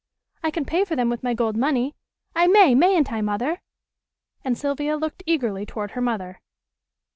I can pay for them with my gold money. I may, mayn't I, Mother?" and Sylvia looked eagerly toward her mother.